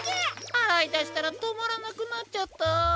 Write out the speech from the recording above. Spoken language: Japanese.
あらいだしたらとまらなくなっちゃった。